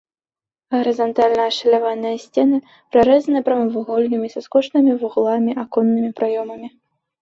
Гарызантальна ашаляваныя сцены прарэзаны прамавугольнымі са скошанымі вугламі аконнымі праёмамі.